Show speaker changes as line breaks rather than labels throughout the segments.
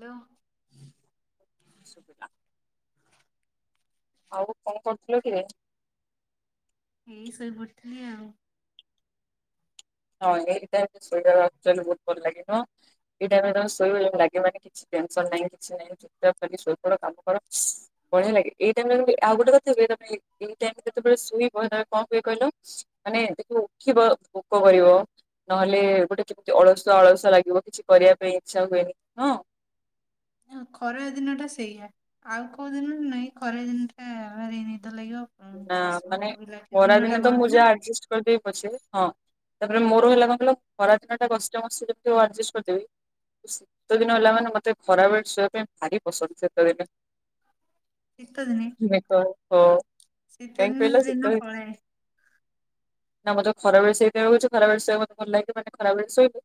Hello.
ଶୁବିଲା ଆଉ କଣ କରୁଥୁଲ କିରେ?
ଏଇ ଶୋଇ ପଡିଥିଲି ଆଉ।
ହଁ ଏଇ ଟା ଶୋଇବାକୁ ଅକ୍ଚୁଆଲି ବୋହୁତ ଭଲ ଲାଗିବ। ଏଇଟା ଆମେ ଯେତବେଳେ ଶୋଇବା ଲାଗେ ମାନେ କିଛି ଟେନସନ୍ ନାହିଁ କିଛି ନାହିଁ ଚୁପ୍ ଚାପ୍ କରିକି ଶୋଇପଡ କାମ କର। ବଢିଆ ଲାଗେ ଏଇ ଟାଇମରେ ଜେମିତି ଆଉ ଗୋଟେ କଥା ହୁଏ ତମ ଏଇ ଟାଇମ ଯେତେବେଳେ ଶୋଇବ ସେତବେଳେ କଣ ହୁଏ କହିଲ ମାନେ ଦେଖିବ ଉଠିବ ଭୋକ କରିବ। ନହେଲେ ଗୋଟେ କେମିତି ଅଳସୁଆ ଅଳସୁଆ ଲାଗିବ କିଛି କରିବା ପାଇଁ ଇଚ୍ଛା ହୁଏନି ହଁ
ହଁ ଖରା ଦିନ ଟା ସେଇଆ, ଆଉ କୋଉ ଦିନରେ ନାହିଁ ଖରା ଦିନ ଟା ଭାରି ନିଦ ଲାଗିବ।
ନା
ପ୍ଲସ୍
ମାନେ
ଭୋକ ବି ଲାଗେ ଦିନ ଟା
ଖରାଦିନେ ତ
ବଡ
ମୁଁ
ନା।
ଯାହା ଆରଜଷ୍ଟ କରିଦେବି ପଛେ ହଁ ତାପରେ ମୋର ହେଲା କଣ କହିଲ ଖରାଦିନଟା କଷ୍ଟେ ମଷ୍ଟେ ଯେମିତି ହଉ ଆରଜଷ୍ଟ କରିଦେବି। ଶୀତ ଦିନ ହେଲା ମାନେ ମତେ ଖରାବେଳେ ଶୋଇବା ପାଇଁ ଭାରି ପସନ୍ଦ ଶୀତ ଦିନେ।
ଶୀତ ଦିନେ।
[unintelligible]
ଶୀତ
କାହିଁକି
ଦିନେ
କହିଲ
ତ
ଶୀତ
ଦିନ ପଳାଏ।
ନା ମୋତେ ଖରାବେଳେ [unintelligible] ହଉଚି ଖରାବେଳେ ଶୋଇବା ମତେ ଭଲ ଲାଗେ ମାନେ ଖରାବେଳେ ଶୋଇବୁ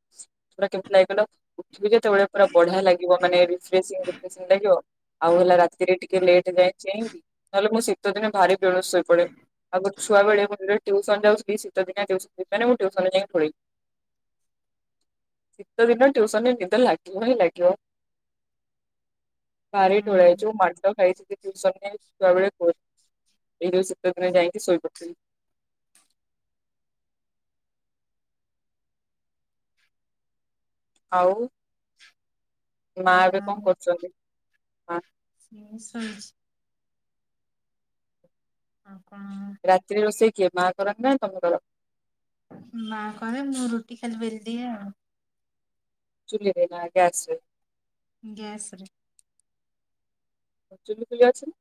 ପୁରା କେମିତି ଲାଗିବ କଇଲ ଉଠିବୁ ଯେତବେଳେ ପୁରା ବଢିଆ ଲାଗିବ ମାନେ ରିଫ୍ରେସିଙ୍ଗ ରିଫ୍ରେସିଙ୍ଗ ଲାଗିବ ଆଉ ହେଲା ରାତିରେ ଟିକେ ଲେଟ୍ ଯାଏ ଚେଇଁବି ନହେଲେ ମୁଁ ଶି ଶୀତ ଦିନେ ଭାରି ବେଳୁ ଶୋଇ ପଡେ, ଆଗୁରୁ ଛୁଆବେଳେ ମନ୍ଦିରେ ଟିଉସନ ଯାଉଥିଲି ଶୀତ ଦିନିଆ ଟିଉସନ [inaudible] ମାନେ ମୁଁ ଟିଉସନରେ ଯାଇ ଢୋଳେଇ ଶୀତ ଦିନ ଟ୍ୟୁସନ ରେ ନିଦ ଲାଗିବ ହିଁ ଲାଗିବ। ଭାରି ଢୋଳାଏ
ହୁଁ
ଯୋଉ ମାଡ ଖାଇଛି ଟିଉସନରେ ଛୁଆ ବେଳେ କୁହନି। ଏଇ ଯୋଉ ଶୀତ ଦିନ ଯାଇକି ଶୋଇ ପଡିଥିଲି ଆଉ ମା ଏବେ କଣ କରୁଛନ୍ତି? ମା
ସ୍ଲୋ ସାଉଣ୍ଡ ଆଉ କଣ
ରାତିରେ ରୋଷେଇ କିଏ ମା କରନ୍ତି ନା ତମେ କର?
ମା କରେ ମୁଁ ରୁଟି ଖାଲି ବେଲ ଦିଏ ଆଉ।
ଚୁ୍ଲିରେ ନା ଗ୍ୟାସରେ?
ଗ୍ୟାସରେ।
ଚୁଲି ଫୁଲି ଅଛି ନା?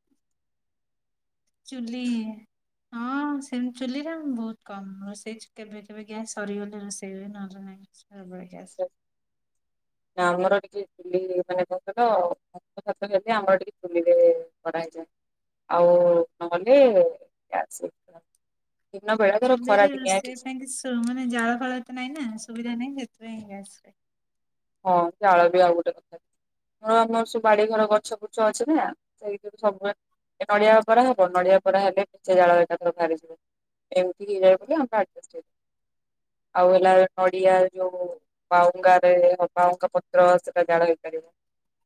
ଚୁ୍ଲି ଇ ହଁ ସେମତି ଚୁଲିରେ ବହୁତ କମ୍ ରୋଷେଇ କେବେ କେବେ ଗ୍ୟାସ୍ ସରିଗଲେ ରୋଷେଇ ହୁଏ ନହେଲେ ନାହିଁ। ଛା ବାଇ
ନା ଆମର ଟିକେ ଚୁଲି ମାନେ କଁ କହିଲ [unintelligible] ଆମର ଟିକେ ଚୁଲିରେ କରା ହେଇଯାଏ। ଆଉ ନହେଲେ ଗ୍ୟାସ ରେ ଦିନ ବେଳା ଧର
ଚୁଲିରେ
ଖରା ଦିନିଆ
ରୋଷେଇ
ଏଠିଛି
ପାଇଁ କି ସୁ ମାନେ ଜାଳ ଫାଳ ଏତ ନାଇଁ ନା ସୁବିଧା ନାହିଁ ସେଥିପାଇଁ ଗ୍ୟାସରେ
ହଁ ଜାଳ ବି ଆଉ ଗୋଟେ କଥା ମୋର ଆମର ସବୁ ବାଡି ଘର ଗଛ ବୁର୍ଛ ଅଛି ନା ସେଇଥିରେ ସବୁ ବେ ଏ ନଡିଆ ପରା ହବ ନଡିଆ ପରା ହେଲେ ପେଚେ ଜାଳ ଏକାଥରେ ବାହାରଯିବ ଏମତି ହିଏ ବୋଲି ଆମର ଆଡଜେଷ୍ଟ ହେଇ ଆଉ ହେଲା ନଡିଆ ଯୋଉ ବାଉଙ୍ଗାରେ ବାଉଁଙ୍ଗା ପତ୍ର ସେଟା ଜାଳ ହେଇପାରିବ।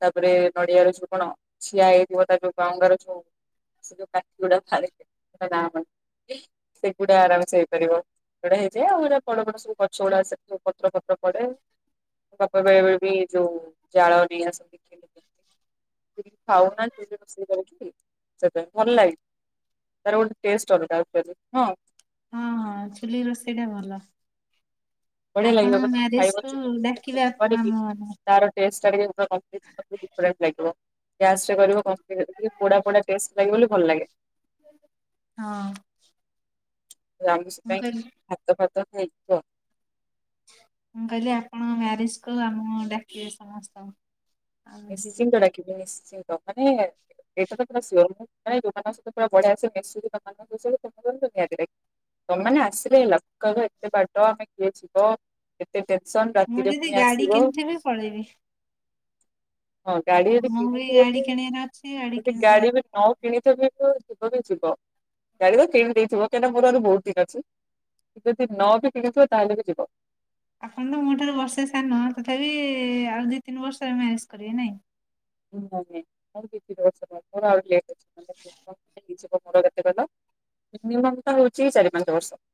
ତାପରେ ନଡିଆର ଯୋଉ କଣ ଛିିଆ ହେଇଥିବ ତାର ଯୋଉ ବାଉଁଙ୍ଗା ର ଯୋଉ ସେ କାଠି ଗୁଡାକ ଖାଲି [inaudible] ନା କଣ ସେଇଗୁଡା ଆରାମ ସେ ହେଇପାରିବ ସେଗୁଡା ହେଇଯାଏ ଆଉ ଏଉରା ବଡ ବଡ ସବୁ ଗଛ ଗୁଡା ସେ ସବୁ ପତ୍ର ଫତ୍ର ପଡେ। ମୋ ବାପା ବେଳେ ବେଳେ ବି ଯୋଉ ଜାଳ ନେଇ ଆସନ୍ତି କି ଖାଉନା ଚୁଲିରେ ରୋଷେଇ କରିକି ବସେଇ ସେପାଇଁ ଭଲ ଲାଗେ। ତାର ଗୋଟେ ଟେଷ୍ଟ ଅଲଗା ଉପରେ ନୁହ?
ହଁ ହଁ ଚୁଲି ରୋଷେଇଟା ଭଲ।
ବଢଆ ଲାଗିବ
ଆପଣ
[inaudible] ତାର
ମ୍ୟାରେଜ କୁ ଡାକିବେ ଆପ ଆମ ମାନଙ୍କୁ।
ଟେଷ୍ଟଟା ବି [unintelligible] [inaudible] ଡିଫରେଣ୍ଟ ଲାଗିବ। ଗ୍ୟାସ ରେ କରି [inaudible] ପୋଡା ପୋଡା ଟେଷ୍ଟ ଲାଗେ ବୋଲି ଭଲ ଲାଗେ।
ହଁ।
ରାମୁ
ମୁଁ
ସେଥିପାଇଁ
କହିଲି
ହାତ ଫାତ କାଇଁ କୁହ
ମୁଁ କହିଲି ଆପଣ ମ୍ୟାରେଜକୁ ଆମକୁ ଡାକିବେ ସମସ୍ତଙ୍କୁ। ଆମେ ଯିବୁ।
ନିଶ୍ଚିନ୍ତ ଡାକିବି ନିଶ୍ଚିନ୍ତ ମାନେ ଏଟା ତ ପୁରା ସିଓର ମୁଁ ମାନେ ଯୋଉମାନଙ୍କ ସହିତ ପୁରା ବଢିଆସେ ମିଶୁଚି ତମ ମାନଙ୍କ [inaudible] ନିହାତି ଡାକିବି। ତମମାନେ ଆସିଲେ ହେଲା କହିବ ଏତେ ବାଟ ଆମେ କିଏ ଯିବ ଏତେ ଟେନସନ ରାତିରେ ପୁଣି ଆସିବ
ହେସ ପଳେଇବି।
ହଁ ଗାଡି ଯଦି
ମୁଁ
କିଣିଥିବ
ଗାଡି
ବି
କିଣିବାର ଅଛି
ଯଦି
କିଣିଥିବି।
ଗାଡି ବି ନ କିଣି ଯିବ ବି ଯିବ ଗାଡି ତ କିଣିଦେଥିବ କାହିଁକିନା ମୋର ଆହୁରି ବହୁତ ଦିନ ଅଛି। ଯଦି ନବିି କିଣି ଥିବ ତାହେଲେ ବି ଯିବ।
ଆପଣ ତ ମୋ ଠାରୁ ବର୍ଷେ ସାନ ତଥାପି ଆଉ ଦୁଇ ତିନି ବର୍ଷ ମ୍ୟାରେଜ୍ କରିବେ ନାଇଁ?
[unintelligible] [unintelligible] ମିନି ମମଟା ହଉଛି ଚାରି ପାଞ୍ଚ ବର୍ଷ।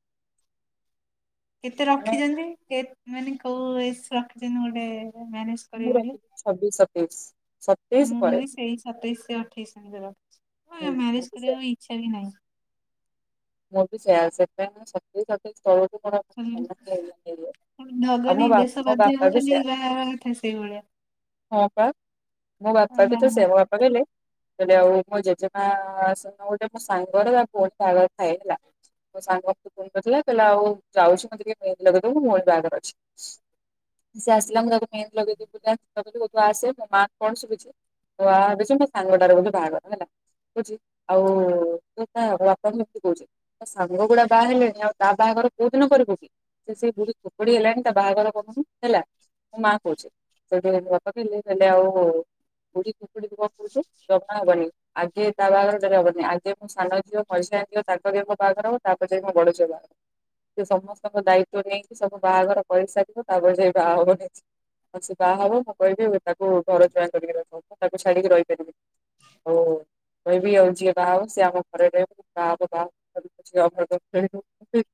କେତେ
ମାନେ
ରଖିଛନ୍ତି କେ ମାନେ କୋଉ ଏଜେ ରଖିଛନ୍ତି ଗୋଟେ ମ୍ୟାନେଜ
ମୁଁ
କରିବେ ବୋଲି?
ରଖିଛି ଛବିଶ ସତେଇଶ ସ
ମୁଁ ବି ସେଇ ସତେଇଶି ଅଠେଇଶି ଏମିତି ରଖିଛି
ହୁଁ
ମୁଁ
ମୁଁ
ମ୍ୟାରେଜ
ବି ସେୟା
କରିବାକୁ ଇଚ୍ଛା ବି ନାହିଁ।
ମୁଁ ବି ସେଇୟା ସେଥିପାଇଁ ମୁଁ ସତେଇସ ଅଠେଇସ [unintelligible]
ଢଗନି ଦେଶ ବାଧ୍ୟ [unintelligible]
ସେୟା
ବା ହେବା କଥା ସେଇଭଳିଆ।
ହଁ ପା ମୋ
ହଁ
ବାପା ବିତସେ
ବାହାଘର
ମୋ ବାପ ପା କହିଲେ କହିଲେ ଆଉ ମୋ ଜେଜେମା ଆ ସ ଗୋଟେ ମୋ ସାଙ୍ଗର ପୁଅ ବାହାଘର କ ଥାଏ ହେଲା? ମୋ ସାଙ୍ଗ ମେ ଫୁନ କରିଥିଲା କହିଲା ଆଉ ଯାଉଛି ମତେ ଟିକେ ମେହେନ୍ଦି ଲଗେଇଦବୁ ମୋର ବାହାଘର ଅଛି। ସେ ଆସିଲା ମୁଁ ତାକୁ ମେହେନ୍ଦି ଲଗେଇବ ଦେବି ବୋଲି [unintelligible] କଣ ଶିଖିଛି? ତୁଆ ଅବଶ୍ୟ ମୋ ସାଙ୍ଗଟାର ଗୋଟେ ବାହାଘର ହେଲା। କଛି ଆଉ ତା ବାପା ଏମିତି କହୁଛି ତା ସାଙ୍ଗ ଗୁଡା ବାହା ହେଲେଣି ଆଉ ତା ବାହାଘର କୋଉ ଦିନ କରିବୁ କି ସେ ସେ ବୁଢୀ କୋକୁଡି ହେଲାଣି ତା ବାହାଘର କରୁନୁ ହେଲା? ମୁଁ ମା କହୁଛି ସେଉଠୁ ମୋ ବାପା କହିଲେ କହିଲେ ଆଉ ବୁଢି କୋକୁଡି ତୁ କଣ କହୁଚୁ ଜମା ହବନି। ଆଗେ ତା ବାହାଘରେ ଡେରି ହବନି ଆଗେ ମୋ ସାନଝିଅ ପଇସା [unintelligible] ତାଙ୍କ ଦିଆଙ୍କର ବାହାଘର ହବ ତାପରେ ଯାଇ ମୋ ବଡ ଝିଅ ବାହାଘର ହବ। ସେ ସମସ୍ତଙ୍କ ଦାୟିତ୍ୱ ନେଇକି ସବୁ ବାହାଘର କରିସାରିବ ତାପରେ ଯାଇ ବାହାହବ ନିଜେ। ଆଛି ବାହା ହବ ମୁଁ କହିବି ମୁଁ ତାକୁ ଘର ଜ୍ୱାଇଁ କରିକି ରଖ ତାକୁ ଛାଡିକି ରହିପାରିବିନି। ହଉ କହିବି ଆଉ ଯିଏ ବାହା ହଉ ସିଏ ଆମ ଘରେରହିବ ବାହା [unintelligible] ପଡିଆ କଥା ବାପା କହିଛନ୍ତି ହେଲା। [unintelligible]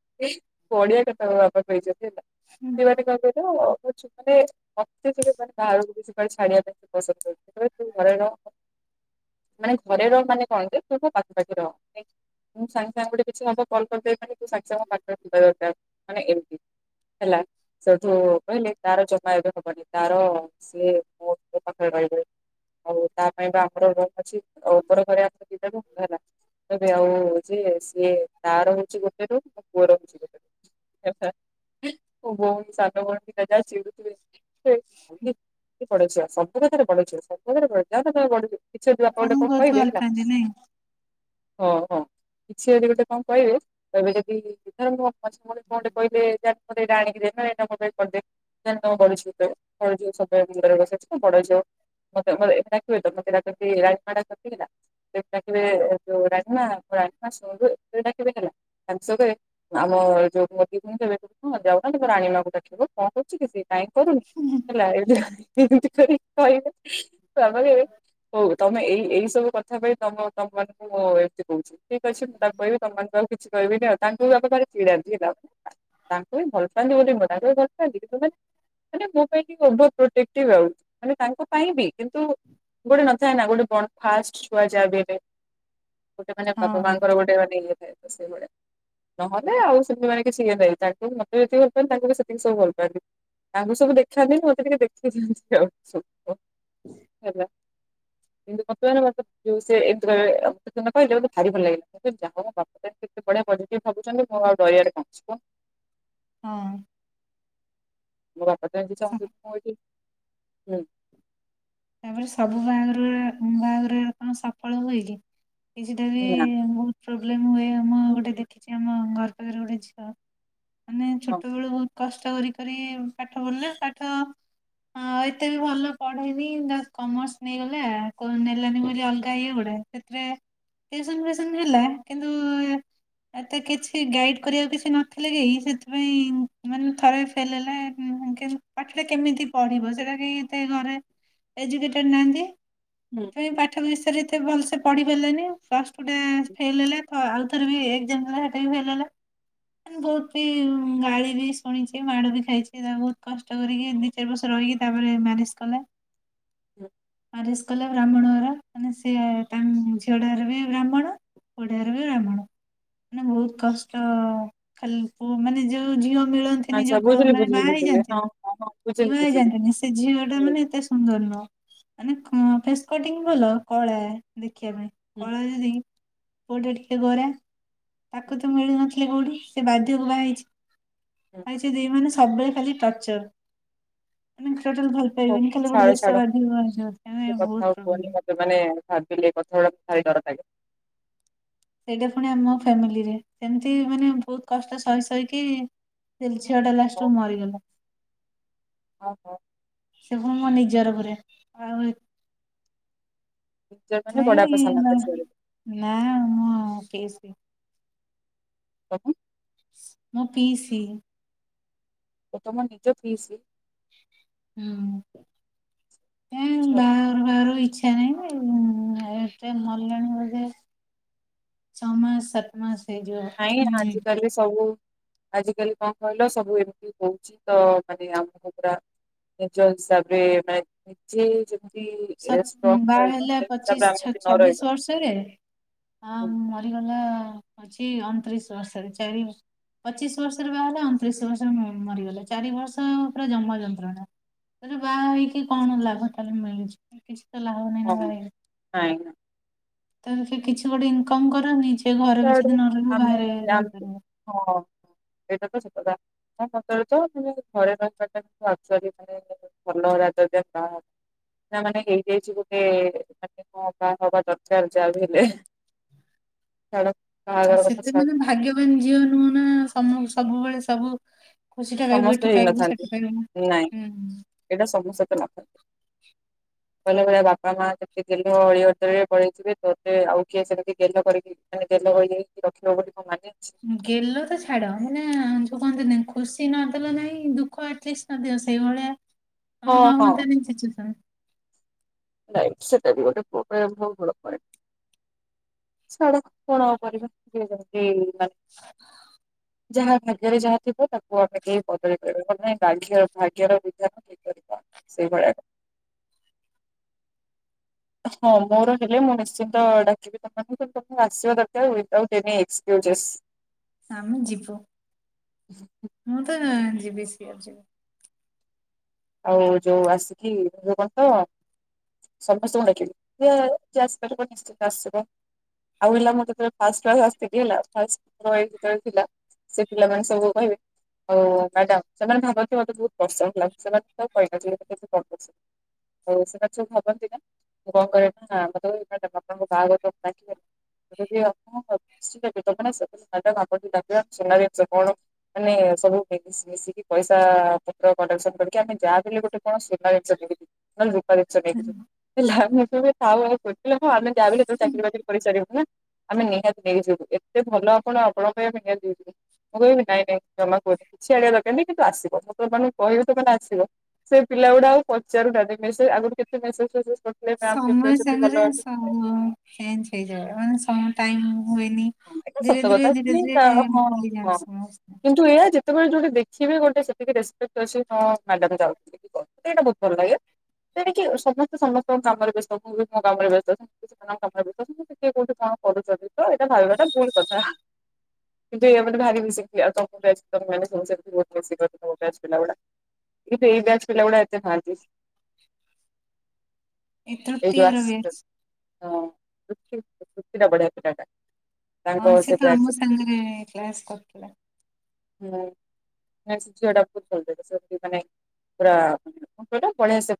ଅତ୍ୟଧିକ ମାନେ ବାହାରକୁ କିଛି ଛାଡିବା ପାଇଁ ପସନ୍ଦ [unintelligible] ମାନେ ଘରେ ର ମାନେ କଣକି ତୁମ ପାଖାପାଖିରହ ଏ ମୁଁ ସାଙ୍ଗେ ସାଙ୍ଗେ ଗୋଟେ କିଛି କଲ୍ କରିଦେଇ ତୁ ସାଙ୍ଗେ ସାଙ୍ଗ ପାଖରେ ଥିବା ଦରକାର ମାନେ ଏମିତି। ହେଲା। ସେଠୁ କହିଲେ ତାର ଜମା ଏବେ ହବନି ତାର ସିଏ ମ ପାଖରେ ରହିବ। ଆଉ ତା ପାଇଁ ବା ଆମର ରୁମ୍ ଅଛି ଆଉ ଉପର ଘରେ [unintelligible] ହେଲା କହିଲି ଆଉ ଯେ ସିଏ ତାର ହଉଛି ଗୋଟେ ରୁମ ମୋ ପୁଅ ର ହଉଛି ଗୋଟେ ରୁମ। ହେଲା ମୋ ଭଉଣୀ ସାନ ଭଉଣୀ ଦିଟା ଯାକ ଚିଡୁଥିବେ [unintelligible] ବଡ ଝିଅ ସବୁ କଥାରେ ବଡ଼ଝିଅ ସବୁବେଳେ ବଡ଼ଝିଅ ଯାନେମୋ ବଡଝିଅ କିଛି ଗୋଟେ ବାପା ଗୋଟେ
ଆପଣଙ୍କୁ ବହୁତ
କହିବେ
ଭଲ
ହେଲା
ପାଆନ୍ତି ନାଇଁ
ହଁ ହଁ କିଛି ଯଦି ଗୋଟେ କଣ କହିବେ ତ ଏବେ ଯଦି କେ କହିଲେ ଏଇଟା ଆଣିକି ଦେଇନୁ ଏଇଟି କରିଦେ [unintelligible] ବଡ ଝିଅ ମତେ ମ ଏଟ କି ମେତେ ଡାକନ୍ତି ରାଜମା ଡ଼ାକନ୍ତି ହେଲା ତାଟ ଯୋ ରାଜମା ରାଜମା ସୁଣିଲୁ କେବେ ଡାକିବେ ହେଲା। ତା ସେ କହିବେ ଆମ ଯୋଉ ମୋଦି କୁହ ଏବେ କଣ ଯାଉ ନାର ରାଣୀମାଙ୍କୁ ଡାକିବ କଣ କରୁଛି କି ସିଏ? କାଇଁ କରୁନି ହେଲା [unintelligible] ହଉ ତମେ ଏଇ ଏଇ ସବୁ କଥା ପାଇଁ ତମ ତମ ମାନଙ୍କୁ ମୁଁ ଏମତି କହୁଛି। ଠିକ୍ ଅଛି ମୁଁ ତାକୁ କହିବି ତମ ମାନଙ୍କୁ ଆଉ କିଛି କହିବିନି ଆଉ ତାଙ୍କୁ ବି ଆ ଚ କିିଡାନ୍ତି ହେଲା। ତାଙ୍କୁ ବି ଭଲ ପାନ୍ତି ବୋଲି ମ [unintelligible] ଦରଥାନ୍ତି ମାନେ ମୋ ପାଇଁ ଟିକେ ଓଭର୍ ପ୍ରୋଟେକ୍ଟି ଆଉ ମାନେ ତାଙ୍କ ପାଇଁ ବି କିନ୍ତୁ ଗୋଟେ ନଥାଏ ନା ଗୋଟେ ଫାଷ୍ଟ ଛୁଆ ଯା ଭି ହେଲେ ଗୋଟେ ମାନେ ବାପା
ହଁ
ମାଆଙ୍କର ଗୋଟେ ଗଟେ ଇଏ ଥାଏ ତ ସେଇଭଳିଆ ନହେଲେ ଆଉ ସେମତିାନେ କିଛି ଇଏ ନହିଁ ତାଙ୍କୁ ମତେ ଯେତିକି ଭଲପଆନ୍ତି ତାଙ୍କୁ ବି ସେତିକି ସବୁ ଭଲ ପାଆନ୍ତି। ତାଙ୍କୁ ସବୁ ଦେଖାନ୍ତିନି ମତେ ଟିକେ ଦେଖିଥାାନ୍ତି ଆଉ ହେଲା ଏନ୍ତ ମତ ମ [unintelligible] ଭାରି ଭଲ ଲାଗିଲା କିନ୍ତୁ ଯାହା ବତ କେତେ ବଢିଆ ପଭ୍ ଭାବୁଛନ୍ତି ମୁଁ ଆଉ ଡରିଆରେ କଣ ଅଛି ମ
ହଁ।
ମୋ ବାପାଟ ଏମିତି ଚାହୁଁଛନ୍ତି ମୁ ଏଇଠି ହୁଁ
ତାପରେ ସବୁ ବାହାଘର ବାହାଘର କଣ ସଫଳ ହୁଏ କିି? କିଛିଟା ବି
ନା
ବହୁତ ପ୍ରୋବ୍ଲେମ ହୁଏ ଆମ
ହୁଁ
ଗୋଟେ ଦେଖିଛି ଆମ ଘର ଗୋଟେ ଝିଅ ମାନେ
ହଁ
ଛୋଟବେଳୁ ବହୁତ କଷ୍ଟ କରି କରି ପାଠ ପଢିଲେ ପାଠ ଏତେ ବି ଭଲ ପଢେ କମର୍ସ ନେଇଗଲେ ନେଲାନି ବୋଲି ଅଲଗା ଇଏ ଗୋଟେ ସେଥି ଟ୍ୟୁସନ୍ ଫ୍ୟୁସନ ହେଲା କିନ୍ତୁ ଏତେ କିଛି ଗାଇଡ଼୍ କରିବାକୁ କିଛି ନଥିଲେ କି ସେଥିପାଇଁ ମାନେ ଥରେ ଫେଲ ହେଲା ହୁଁ ପାଠଟା କେମିତି ପଢିବ ସେଟା କିତେ ଘରେ ଏଜୁକେଟେଡ଼ ନାହାନ୍ତି
ହୁଁ
ସେଥିପାଇଁ ପାଠ ବିଷୟରେ ଏତେ ଭଲସେ ପଢ଼ି ପାରିଲାନି ଫଷ୍ଟଟେ
ହୁଁ
ଫେଲ୍ ହେଲା ତ ଆଉଥରେ ବି ଏକ୍ଜାମ୍ ଦେବା ଟାଇମ୍ ହେଈଗଲା ବହୁତ ବି ଗାଳି ବି ଶୁଣିଛି ମାଡୁ ବି ଖାଇଛି ତା ବହୁତ କଷ୍ଟ କରିକି ଚାର ବର୍ଷ ରହିକି ତାପରେ ମ୍ୟାରେଜ୍ କଲେ
[inaudible]
ମାରିସ୍ କଲା ବ୍ରାହ୍ମଣଘର ମାନେ ସେ ତାଙ୍କ ଝିଅଘର ବି ବ୍ରାହ୍ମଣ [unintelligible] ଗୋଡ଼ୋରବେ ରମାଣ ମାନେ ବହୁତ କଷ୍ଟ ଖାଲି ପୁଅ ମାନେ ଯୋଉ ଝିଅ ମିଳନ୍ତି
ଆଚ୍ଛା
ଯୋଉ
ବୁଝିଲି
ମାନେ
ବୁଝିଲି
ବାହା ହେଇ
ବୁଝିଲି ହଁ
ଯାନ୍ତିନି
ହଁ ହଁ ବୁଝିଲି
କିିବା
ବୁଝିଲି
ହେଇଯାନ୍ତିନି ସେ ଝିଅ ଟା
ହୁଁ
ମାନେ ଏତେ ସୁନ୍ଦର ନ ମାନେ ଫେସ କଟିଂ ଭଲ କଳା ଦେଖିବା ପାଇଁ
ହୁଁ
କଳା ଯିଅ [unintelligible] ପୁଅଟେ ଟିକେ ଗୋରା
ହୁଁ
ତାକୁ ତ ମିଳୁନଥିଲେ କୋଉଠି ସେ ବାଧ୍ୟକୁ ବାହା ହେଇଛି
ହୁଁ
ଆ ସେ ଦି ମାନେ ସବବେଳେ ଖାଲି ଟର୍ଚର ମାନେ ଟୋଟା ଭଲ
ହଉ
ପାଇବନ
ଛାଡ ଛାଡ
[unintelligible] ଦେଶବାଉ ବହୁତ ପ୍ରୋବ୍ଲେମ୍
ସେମାନେ ଭାବିଲେ କଥା ଗୁଡା ଭାରି ଡର ଲାଗେ
ସେଇଟା ପୁଣି ଆମ ଫ୍ୟାମିଲିରେ ସେମତି ମାନେ ବହୁତ କଷ୍ଟ ସହି ସହିକି ସେଲେ ଛୁଆ ଟା ଲାଷ୍ଟୁ ମରିଗଲା
ଓ ହୋ
ସେବୁ ମୋ ନିଜର ପୁରରେ ଆଉ
ନିଜ ମାନେ ବଡ ବାପା
ଏଥିପାଇଁ
ସାନ ବାପା
ନା ମୁଁ [unintelligible] କେସି
[inaudible]
ମୋଁ ପିଈସି
ଏ ତମର ନିଜ ପିଈସୀ
ହୁଁ ଏ ବା
ଛାଡ
ଇଛା ନାହିଁ ଏବେ ମଲାଣୀ ଭଜ ଛମାସ ସାତମାସ ହୋଈଯିବ
ଡାଲି ସବୁ ଆଜିକାଲି କଣ କହିଲ ସବୁ ଏମିତି ହୋଉଚି ତ ମାନେ ଆମକୁ ପୁରା ନିଜ ହିସାବରେ [unintelligible]
ସତ
ଷ୍ଟ୍ରଙ୍ଗ
ବାହା
ରହିବ
ହେଲା
ସେଇ ହିସାବରେ ଆମେ
ପଚିଶ
ଯଦି ନ ରହିବା
ଛବିଶ ବର୍ଷରେ ହଁ
ହୁଁ,
ମରିଗଲା ଅଛି ଅଣତିରିଶ ବର୍ଷରେ ଚାରି ବର୍ଷ ପଚିଶ ବର୍ଷରେ ବାହା ହେଲା ଅଣତିରିଶ ବର୍ଷରେ ମରିଗଲା ଚାରି ବର୍ଷ ପୁରା ଜମ ଯନ୍ତ୍ରଣା ତାରେ ବାହା ହେଇକି କଣ ଲାଭ ତାକୁ ମିଳୁଚି କିଛି ତ ଲାଭ ନାହିଁ ନା
ହଁ
ବାହା ହେଇକି।
[unintelligible]
ତା ସେ କିଛି ଗୋଟେ ଇନକମ କରନି ନିଜେ ଘରେ
ସେଆଡୁ
[unintelligible]
ଆମେ
ବାହାରେ
ଆମେ
ରହିପାରିବ
ହଁ ଏଇଟା ତ [unintelligible] [unintelligible] ନା ମାନେ ହେଇଯାଇଚି ଗୋଟେ ମାନେ କଣ ବାହା ହବା ଦରକାର ଯାହା ବି ହେଲେ [unintelligible]
ଆଉ
କଥା
ସେତେ
ଛାଡ
ମାନେ ଭାଗ୍ୟବାନ ଝିଅ ନୁଁ ନା ସମ ସବୁବେଳେ ସବୁ ଖୁସି ଟା ରହିବୁ
ସମସ୍ତେ
ଏଠି ପାଇବୁ ସେଠୀ ନା।
[unintelligible] ପିଲା ବେଳେ ବାପା ମା କେତେ ଗେଲ ଅଳି ଅଦଳିରେ ବଢ଼େଇ ଥିବେ ତୋତେ ଆଉ କିଏ ସେମତି ଗେଲ କରିକି ମାନେ ଗେଲ ହୋଇଯାଇକି ରଖିବ ବୋଲି କଣ ମାନେ ଅଛି
ଗେଲ ତ ଛାଡ ହେନା ଯୋଉ କହନ୍ତି ଖୁସି ନଦେଲ ନାଇଁ ଦୁଃଖ ଆଟଲିଷ୍ଟ ନଦିଅ ସେଇଭଳିଆ
[inaudible] ହଁ
ହୋଉ [unintelligible]
ନାଇଁ ସେଟା ବି ଗୋଟେ [unintelligible] ଛାଡ କଣ ଆଉ କରିବା।
[inaudible]
[inaudible] ଯାହା ଭାଗ୍ୟରେ ଯାହା ଥିବ ତାକୁ ଆମେ କେହି ବଦଳେଇ ପାରିବେନି ମାନେ ଭାଗ୍ୟ ଭାଗ୍ୟର ବିଧାନ [unintelligible] ସେଇଭଳିଆ ହଁ ମୋର ହେଲେ ମୁଁ ନିଶ୍ଚିନ୍ତ ଡାକିବି। [unintelligible] ତମେ ଆସିବା ଦରକାର ଉଇଦାଉଟ ଏନି ଏକ୍ସକ୍ୟୁଜେସ।
ଆମେ ଯିବୁ ମୁଁ ତ ଯିବି ସିଓରୋ ଯିବି।
ଆଉ ଯୋଉ ଆସିକି [unintelligible] [unintelligible] ଆହୁ ହେଲା ମୋତେ ଫାଷ୍ଟ କ୍ଲାସ ଆସିଥିଲି ହେଲା ଫାଷ୍ଟେ [unintelligible] ସେ ପିଲାମାନେ ସବୁ କହିବେ ଆଉ ମ୍ୟାଡାମ ସେମାନେ ଭାବନ୍ତୀ ମତେ ବୋହୁତ [unintelligible] ସେମାନେ। [unintelligible] ସେମାନେ ସବୁ ଭାବନ୍ତି ନା। [unintelligible] [unintelligible] ମାନେ ସବୁ ମିଶି ମିଶିକି ପଇସା ପତ୍ର କଲେସ୍ସନ କରିକି କି ଆମେ ଯାଆ ବି ହେଲେ ଗୋଟେ କଣ ସୁନା ଜିନିଷକିଣିବା ନ ହେଲେ ରୂପା ଜିନିଷ ନେଇକି ଯିବୁ।
ଯିବି।
[unintelligible] ଆମେ ନିହାତି ନେଇଯିବୁ ଏତେ ଭଲ ଆପଣ ଆପଣ [unintelligible] ମୁଁ କହିବି ନାଇଁ ନାଇଁ ଜମା କୁହନି କିଛି ଆଣିବା ଦରକାର ନାହିଁ କିନ୍ତୁ ଆସିବ ମୁଁ। [unintelligible] ସେ ପିଲା ଗୁଡା ଆଉ ପଚାରୁନାହାନ୍ତି ମେସେଜେ ଆଗରୁ କେତେ ମେସେଜେ ଫେସେଜେ କରୁ
ସମୟ ସାଙ୍ଗରେ ସବୁ ଚେଞ୍ଜ ହେଇଯାଏ ଏ ମାନେ ସମ ଟାଇମି ହୁଏନି।
ହଁ ଏଇଟା
ଧୀରେ
ସତ
ଧୀରେ
କଥା
ଧୀରେ
କି
ଧୀରେ
ହଁ
ଭୁଲି
ହଁ
ଯାଆନ୍ତି ସମସ୍ତେ।
କିନ୍ତୁ ଏଇଆ ଯେତେବେଳେ ଯୋଉଟେ ଦେଖିବେ ଗୋଟେ ସେତିକି ରେସ୍ପପେଟେ ଅଛି ମ୍ୟାଡାମ ଯାଉଛନ୍ତି। ଏଇଟା ବହୁତ ଭଲ ଲାଗେ ତେଣିକି ସମସ୍ତେ ସମସ୍ତଙ୍କ କାମରେ ବ୍ୟସ୍ତ ମୁଁ ବି ମୋ କାମରେ ବ୍ୟସ୍ତ ଅ ସ୍ୱାଭାବିକ କଥା କିଏ କୋଉଠି କଣ କରୁଛନ୍ତି ତ ଏଇଟା ଭାବିବାଟା ଭୁଲୁ କଥା। କିନ୍ତୁ ଇଏ ଭାରି ଖୁସି ତମସାର ଗୁଡା [unintelligible] କିନ୍ତୁ ଏ ବ୍ୟାଚ ପିଲାଗୁଡା ଏତେ ପାରାଫିସି
ଏ
ଏଇ ଯୋଉ
ତୃତୀୟର
ଆସ
ବ୍ୟାଚ୍।
ଟା ଢୁକିନା ବଢିଆ ପିଲାଟା।
ହଁ
ତାଙ୍କ
ସେ ତ
ବ୍ୟାଚ୍
ଆମ
ର
ସାଙ୍ଗରେ କ୍ଲାସ୍ କରୁଥିଲା।
ହୁଁ। ଝିଅ ଟା ବହୁତ ମାନେ ପୁରା ପଳି ଆସେ।